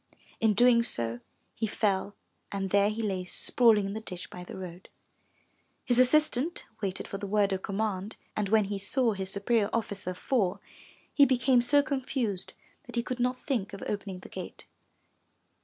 In doing so he fell, and there he lay sprawling in the ditch by the road. His assistant waited for the word of command, and when he saw his superior officer fall, he became so confused that he could not think of opening the gate.